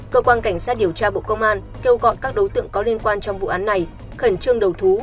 cơ quan cảnh sát điều tra bộ công an kêu gọi các đối tượng có liên quan trong vụ án này khẩn trương đầu thú